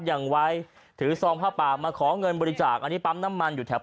อย่างไว้ถือซองผ้าป่ามาขอเงินบริจาคอันนี้ปั๊มน้ำมันอยู่แถว